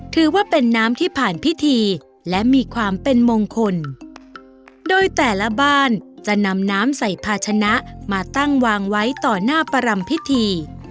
ถือว่าเป็นน้ำที่ผ่านพิธีและมีความเป็นมงคลโดยแต่ละบ้านจะนำน้ำใส่ภาชนะมาตั้งวางไว้ต่อหน้าประรำพิธี